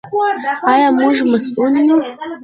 آیا موږ مسوول یو؟